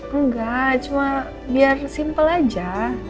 enggak cuma biar simple aja